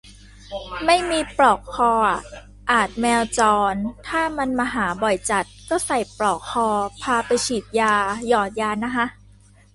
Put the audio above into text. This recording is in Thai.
ไม่มีปลอกคออะ อาจแมวจร ถ้ามันมาหาบ่อยจัดก็ใส่ปลอกคอ พาไปฉีดยา หยอดยานะฮะ